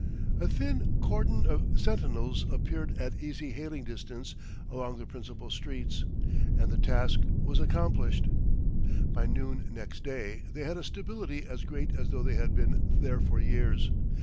A thin cordon of sentinels appeared at easy hailing distance along the principal streets, and the task was accomplished. By noon next day they had a stability as great as though they had been there for years.